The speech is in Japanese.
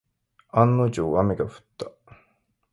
案の定、雨が降った。